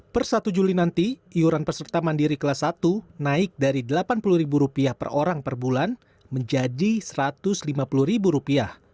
per satu juli nanti iuran peserta mandiri kelas satu naik dari rp delapan puluh per orang per bulan menjadi rp satu ratus lima puluh